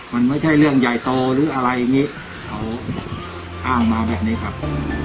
มันไม่ใช่เรื่องใหญ่โตหรืออะไรอย่างนี้เขาอ้างมาแบบนี้ครับ